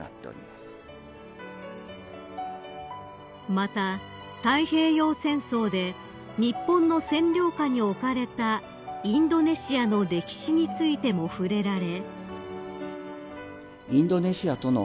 ［また太平洋戦争で日本の占領下に置かれたインドネシアの歴史についても触れられ］